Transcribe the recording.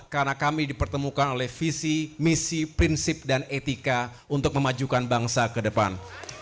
karena kami dipertemukan oleh visi misi prinsip dan etika untuk memajukan bangsa ke depan